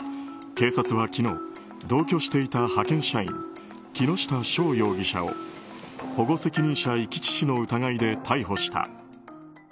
警察は昨日同居していた派遣社員木下匠容疑者を保護責任者遺棄致死の疑いで逮捕した。